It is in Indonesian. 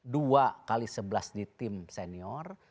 dua x sebelas di tim senior